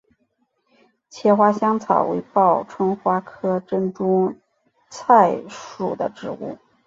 茄花香草为报春花科珍珠菜属的植物。